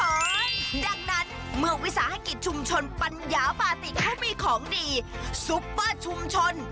ดังนั้นเมื่อวิสาหกิจชุมชนปัญญาปาติเขามีของดีซุปเปอร์ชุมชน